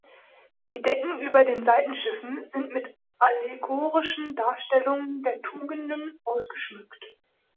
Die Decken über den Seitenschiffen sind mit allegorischen Darstellungen der Tugenden ausgeschmückt.